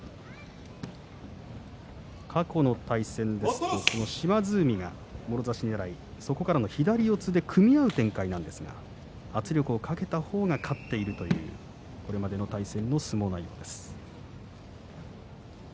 過去の対戦は島津海がもろ差しねらい、そこから左四つで組み合う展開になるんですが圧力をかけた方が勝っているこれまでの相撲内容です。